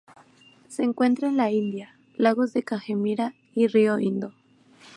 Se encuentra en la India: lagos del Cachemira y río Indo.